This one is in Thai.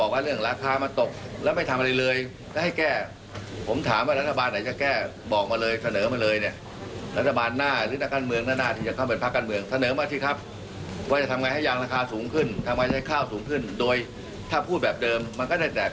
มันก็แต่ประเด็นและตัดแยกอยู่กันแบบนี้